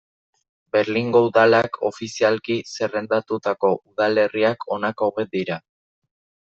Berlingo Udalak ofizialki zerrendatutako udalerriak honako hauek dira.